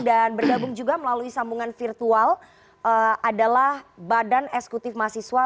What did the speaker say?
dan bergabung juga melalui sambungan virtual adalah badan eksekutif mahasiswa